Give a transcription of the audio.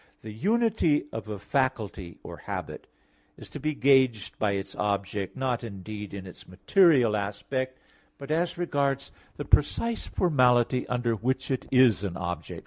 The unity of a faculty or habit is to be gauged by its object, not indeed, in its material aspect, but as regards the precise formality under which it is an object.